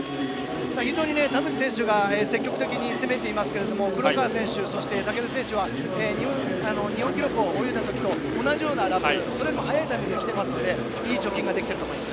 非常に田渕選手が積極的に攻めていますが黒川選手、竹田選手は日本記録を泳いだときと同じようなラップよりも速いタイムできているのでいい貯金ができていると思います。